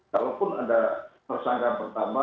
kalaupun ada tersangka pertama